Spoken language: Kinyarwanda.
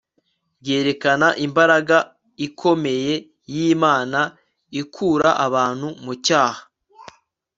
bwerekana imbaraga ikomeye yImana ikura abantu mu cyaha